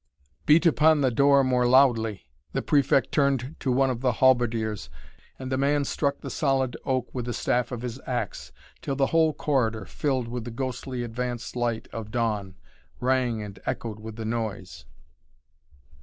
"Beat upon the door more loudly," the Prefect turned to one of the halberdiers, and the man struck the solid oak with the staff of his axe, till the whole corridor, filled with the ghostly advance light of dawn, rang and echoed with the noise.